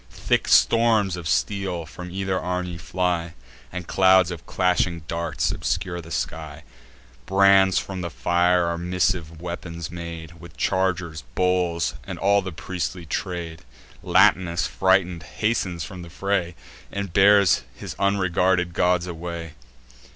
Thick storms of steel from either army fly, And clouds of clashing darts obscure the sky; Brands from the fire are missive weapons made, With chargers, bowls, and all the priestly trade. Latinus, frighted, hastens from the fray, And bears his unregarded gods away.